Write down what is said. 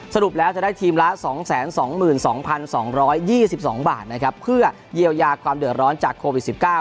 สรุปแล้วจะได้ทีมละ๒๒๒๒บาทนะครับเพื่อเยียวยาความเดือดร้อนจากโควิด๑๙